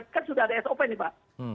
kan sudah ada sop nih pak